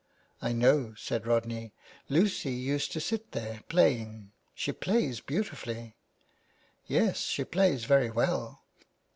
" I know," said Rodney, " Lucy used to sit there playing. She plays beautifully." "Yes, she plays very well."